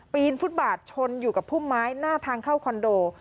ฟุตบาทชนอยู่กับพุ่มไม้หน้าทางเข้าคอนโด